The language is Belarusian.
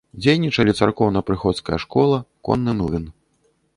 Дзейнічалі царкоўна-прыходская школа, конны млын.